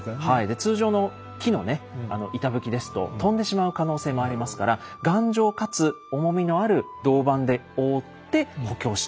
通常の木のね板ぶきですと飛んでしまう可能性もありますから頑丈かつ重みのある銅板で覆って補強したということです。